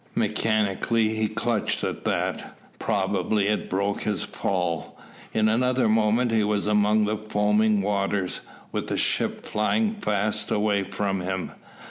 Mechanically he clutched at that. Probably it broke his fall. In another moment he was among the foaming waters, with the ship flying fast away from him.